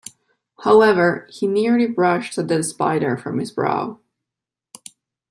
However, he merely brushed a dead spider from his brow.